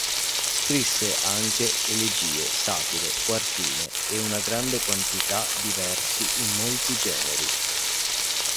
Scrisse anche elegie, satire, quartine e una grande quantità di versi in molti generi.